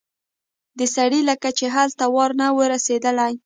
د سړي لکه چې هلته وار نه و رسېدلی.